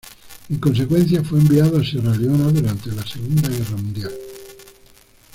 En consecuencia, fue enviado a Sierra Leona durante la Segunda Guerra Mundial.